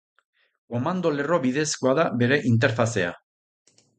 Komando-lerro bidezkoa da bere interfazea.